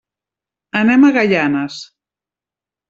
Anem a Gaianes.